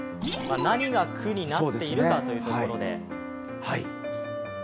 何が「く」になっているかというところで。